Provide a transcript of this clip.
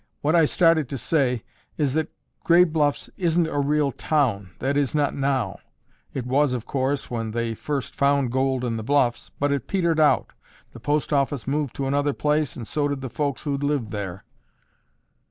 What I started to say is that Gray Bluffs isn't a real town, that is not now. It was, of course, when they first found gold in the bluffs, but it petered out, the post office moved to another place and so did the folks who'd lived there."